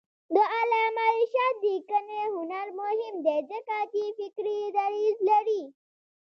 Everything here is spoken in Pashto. د علامه رشاد لیکنی هنر مهم دی ځکه چې فکري دریځ لري.